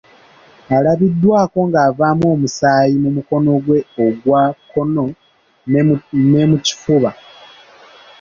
Alabiddwako ng’avaamu omusaayi mu mukono gwe ogwa kkono ne mu kifuba .